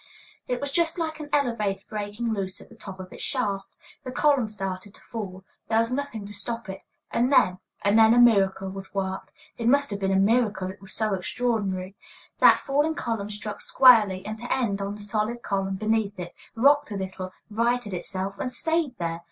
It was just like an elevator breaking loose at the top of its shaft. The column started to fall; there was nothing to stop it; and then and then a miracle was worked; it must have been a miracle; it is so extraordinary. That falling column struck squarely, end to end, on the solid column beneath it, rocked a little, righted itself, and stayed there!